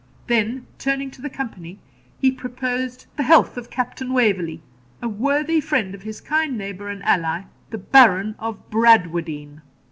Then, turning to the company, he proposed the 'Health of Captain Waverley, a worthy friend of his kind neighbour and ally, the Baron of Bradwardine.'